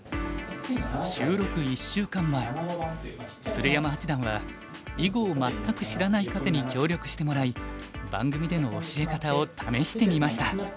鶴山八段は囲碁を全く知らない方に協力してもらい番組での教え方を試してみました。